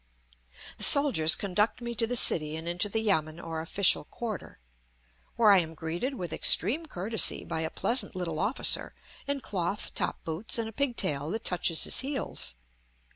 The soldiers conduct me to the city and into the yamen or official quarter, where I am greeted with extreme courtesy by a pleasant little officer in cloth top boots and a pigtail that touches his heels.